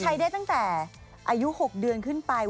ใช้ได้ตั้งแต่อายุ๖เดือนขึ้นไป